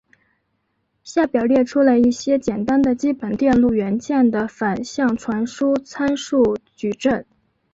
下表列出了一些简单的基本电路元件的反向传输参数矩阵。